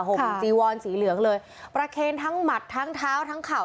ห่มจีวอนสีเหลืองเลยประเคนทั้งหมัดทั้งเท้าทั้งเข่า